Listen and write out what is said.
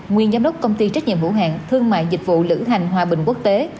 nguyên giám đốc công ty trách nhiệm hữu hạng thương mại dịch vụ lữ hành hòa bình quốc tế